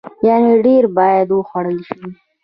يعنې ډیر باید وخوړل شي.